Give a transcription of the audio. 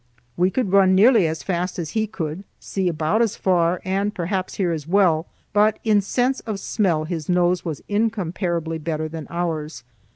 We could run nearly as fast as he could, see about as far, and perhaps hear as well, but in sense of smell his nose was incomparably better than ours.